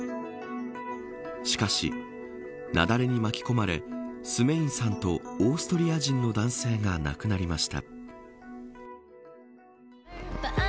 しかし、雪崩に巻き込まれスメインさんとオーストリア人の男性が亡くなりました。